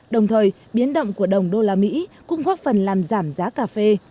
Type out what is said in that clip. đồng thời biến động của đồng usd cũng góp phần làm giảm giá cà phê